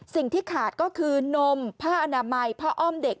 สิ่งที่ขาดก็คือนมผ้าอนามัยผ้าอ้อมเด็ก